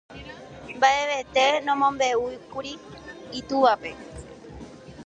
Mbaʼevete nomombeʼúikuri itúvape.